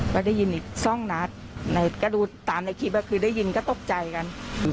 ก็ได้ยินอีกสองนัดก็ดูตามในคลิปก็คือได้ยินก็ตกใจกัน